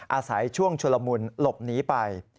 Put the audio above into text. อาศัยช่วงชุลมุนหลบหนีไป